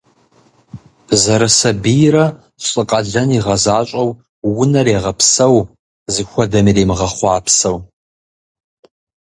Зэрысабийрэ лӏы къалэн игъэзащӏэу унэр егъэпсэу, зыхуэдэм иримыгъэхъуапсэу.